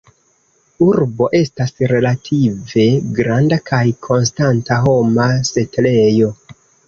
Urbo estas relative granda kaj konstanta homa setlejo.